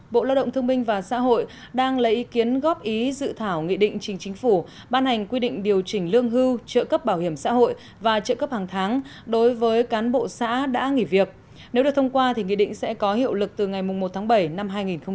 bộ lao động thương minh và xã hội đang lấy ý kiến góp ý dự thảo nghị định trình chính phủ ban hành quy định điều chỉnh lương hưu trợ cấp bảo hiểm xã hội và trợ cấp hàng tháng đối với cán bộ xã đã nghỉ việc nếu được thông qua thì nghị định sẽ có hiệu lực từ ngày một tháng bảy năm hai nghìn hai mươi